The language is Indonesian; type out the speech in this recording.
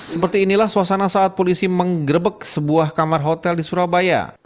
seperti inilah suasana saat polisi menggerebek sebuah kamar hotel di surabaya